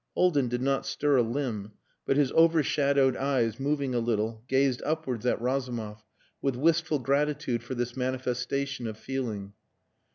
Haldin did not stir a limb, but his overshadowed eyes moving a little gazed upwards at Razumov with wistful gratitude for this manifestation of feeling.